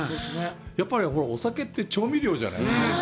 やっぱり、お酒って調味料じゃないですか。